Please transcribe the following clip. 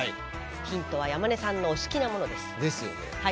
ヒントは山根さんのお好きなものです。ですよね。